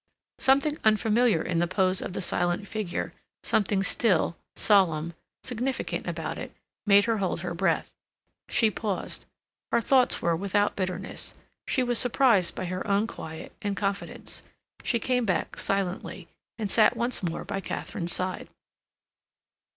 Something unfamiliar in the pose of the silent figure, something still, solemn, significant about it, made her hold her breath. She paused. Her thoughts were without bitterness. She was surprised by her own quiet and confidence. She came back silently, and sat once more by Katharine's side.